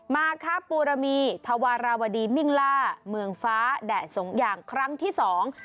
มาครับปูรมีธวาราวดีมิ่งล่าเมืองฟ้าแดดสงอย่างครั้งที่สอง